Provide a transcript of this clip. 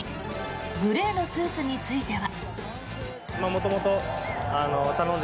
グレーのスーツについては。